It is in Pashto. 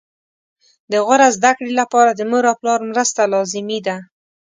د غوره زده کړې لپاره د مور او پلار مرسته لازمي ده